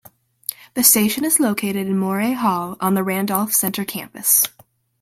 The station is located in Morey Hall on the Randolph Center campus.